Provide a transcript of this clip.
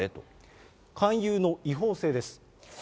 勧誘の違法性です。